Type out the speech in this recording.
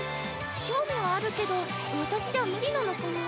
興味はあるけど私じゃ無理なのかなあ。